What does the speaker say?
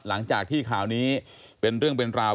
หลังจากที่ข่าวนี้เป็นเรื่องเป็นราว